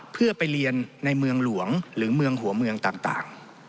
เพื่อไปเรียนในเมืองหลวงหรือเมืองหัวเมืองต่าง